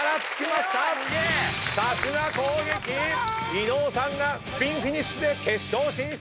伊野尾さんがスピンフィニッシュで決勝進出！